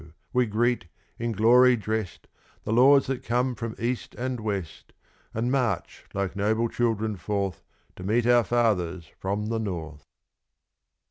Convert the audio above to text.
we greet, in glory drest, The lords that come from east and west, And march like noble children forth To meet our fathers from the North!